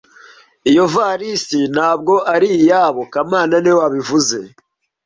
Iyo ivarisi ntabwo ari iyabo kamana niwe wabivuze